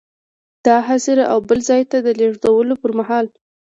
د احضار او بل ځای ته د لیږلو پر مهال.